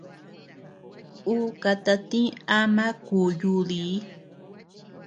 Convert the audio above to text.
Ú katatïi ama kúu yúdii.